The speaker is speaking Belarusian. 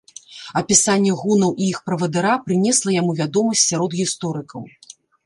Апісанне гунаў і іх правадыра прынесла яму вядомасць сярод гісторыкаў.